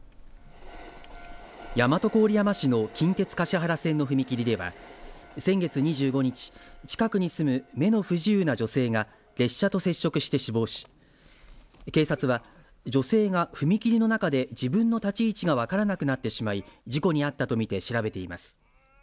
大和郡山市の近鉄橿原線の踏切では先月２５日近くに住む目の不自由な女性が列車と接触して死亡し警察は、女性が踏切の中で自分の立ち位置が分からなくなってしまい事故に遭ったとみて調べています。